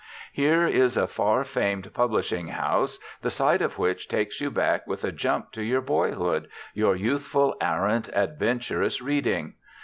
Here is a far famed publishing house the sight of which takes you back with a jump to your boyhood, your youthful, arrant, adventurous reading.